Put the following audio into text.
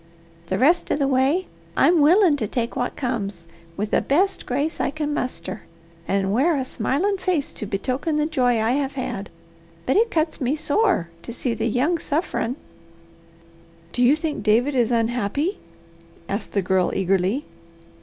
The rest of the way I'm willin' to take what comes, with the best grace I can muster, and wear a smilin' face to betoken the joy I have had; but it cuts me sore to see the young sufferin'." "Do you think David is unhappy?" asked the Girl eagerly.